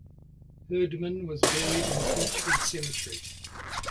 Hurdman was buried in Beechwood Cemetery.